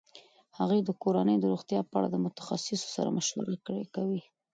هغې د کورنۍ د روغتیا په اړه د متخصصینو سره مشوره کوي.